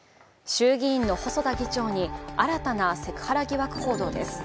衆議院の細田議長に新たなセクハラ疑惑報道です。